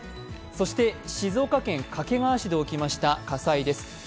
そして静岡県掛川市で起きた火災です。